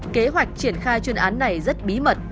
kế hoạch triển khai chuyên án này rất bí mật